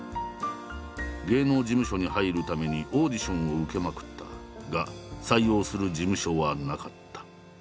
芸能事務所に入るためにオーディションを受けまくったが採用する事務所はなかった。